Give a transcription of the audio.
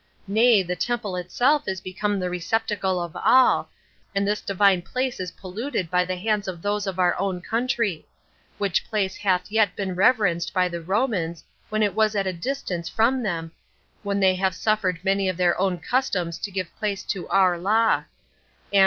Nay, the temple itself is become the receptacle of all, and this Divine place is polluted by the hands of those of our own country; which place hath yet been reverenced by the Romans when it was at a distance from them, when they have suffered many of their own customs to give place to our law.